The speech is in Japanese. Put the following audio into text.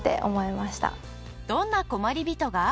どんな困りびとが？